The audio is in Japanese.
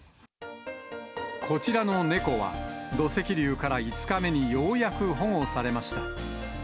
こちらの猫は、土石流から５日目にようやく保護されました。